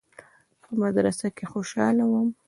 په مدرسه کښې خوشاله وم.